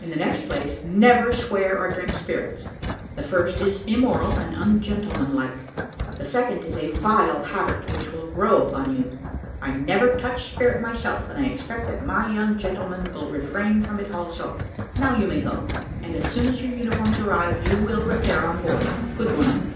In the next place, never swear or drink spirits. The first is immoral and ungentleman like, the second is a vile habit which will grow upon you. I never touch spirit myself, and I expect that my young gentlemen will refrain from it also. Now you may go, and as soon as your uniforms arrive, you will repair on board. Good morning."